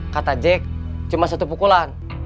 kata jack cuma satu pukulan